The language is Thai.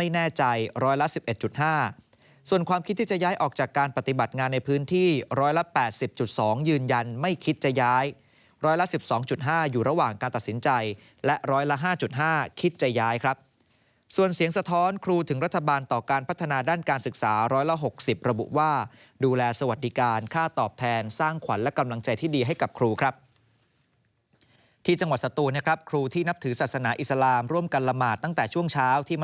ที่คิดจะย้ายร้อยละ๑๒๕อยู่ระหว่างการตัดสินใจและร้อยละ๕๕คิดจะย้ายครับส่วนเสียงสะท้อนครูถึงรัฐบาลต่อการพัฒนาด้านการศึกษาร้อยละ๖๐ระบุว่าดูแลสวัสดิการค่าตอบแทนสร้างขวัญและกำลังใจที่ดีให้กับครูครับที่จังหวัดศัตรูนะครับครูที่นับถือศาสนาอิสลามร่วมกันละมาตรตั้